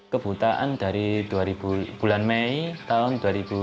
kebutaan dari bulan mei tahun dua ribu lima